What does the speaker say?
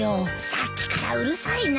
さっきからうるさいな。